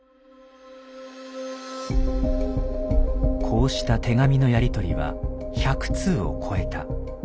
こうした手紙のやりとりは１００通を超えた。